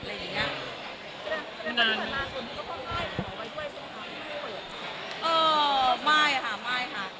เออไม่ค่ะไม่ค่ะ